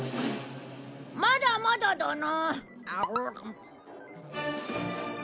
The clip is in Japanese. まだまだだな。